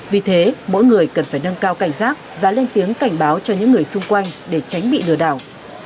vì thế mỗi người cần phải nâng cao cảnh giác và lên tiếng cảnh báo cho những người xung quanh để tránh bị lừa đảo